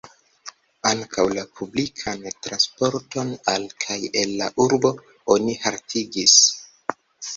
Ankaŭ la publikan transporton al kaj el la urbo oni haltigis.